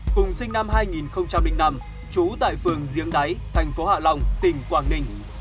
hùng sinh năm hai nghìn năm trú tại phường diếng đáy thành phố hạ lòng tỉnh quảng ninh